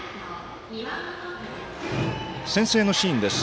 先制のシーンです。